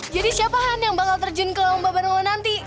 jadi siapa hany yang bakal terjun ke lomba bareng lo nanti